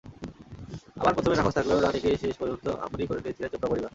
আবার প্রথমে নাখোশ থাকলেও রানীকে শেষ পর্যন্ত আপনই করে নিয়েছিল চোপড়া পরিবার।